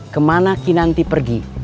kemana kinanti pergi